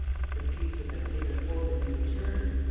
"The peace would have given hope a new run," says M.